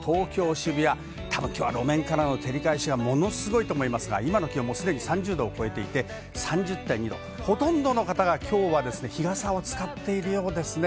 渋谷、たぶんきょうは路面からの照り返しがものすごいと思いますが、今の気温はもう既に３０度を超えていて、３０．２℃、ほとんどの方がきょうはですね日傘を使っているようですね。